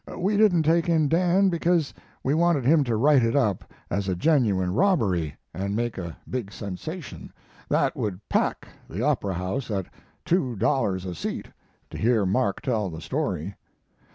We didn't take in Dan because we wanted him to write it up as a genuine robbery and make a big sensation. That would pack the opera house at two dollars a seat to hear Mark tell the story.